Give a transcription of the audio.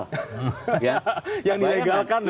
hahaha yang dilegalkan dalam omnibus